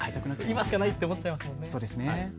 今しかないと思っちゃいますよね。